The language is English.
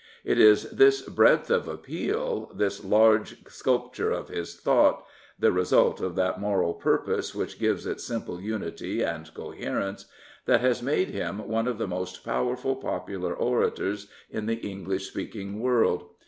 It is this breadth of appeal, this large sculpture of his thought — the result of that moral purj)ose which gives its simple unity and coherence — ^that has made him one of the most powerful popular orators in the English speaking world.